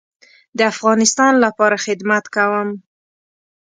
د افغانستان لپاره خدمت کوم